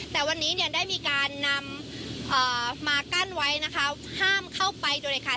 แต่วันนี้ยังได้มีการนำเอ่อมากั้นไว้นะคะห้ามเข้าไปด้วยค่ะ